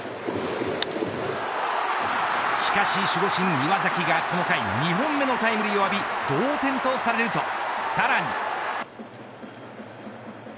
しかし守護神、岩崎がこの回２本目のタイムリーを浴び同点とされると、さらに。